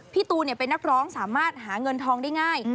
พี่ตูนเป็นนักร้องสามารถหาเงินทองได้ง่าย